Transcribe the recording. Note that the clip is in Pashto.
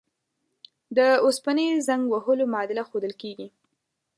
د اوسپنې زنګ وهلو معادله ښودل کیږي.